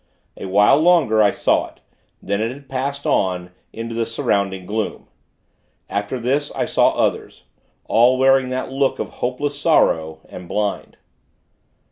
A while longer, I saw it; then it had passed on, into the surrounding gloom. After this, I saw others all wearing that look of hopeless sorrow; and blind.